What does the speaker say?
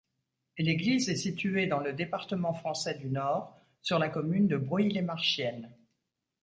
L'église est située dans le département français du Nord, sur la commune de Bruille-lez-Marchiennes.